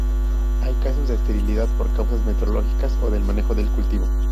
Hay casos de esterilidad por causas meteorológicas o del manejo del cultivo.